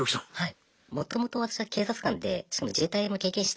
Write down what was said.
はい。